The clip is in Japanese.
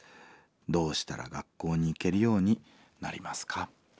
どうしたら学校に行けるようになりますか？」。